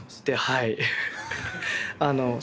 はい。